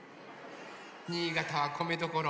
新潟はこめどころ。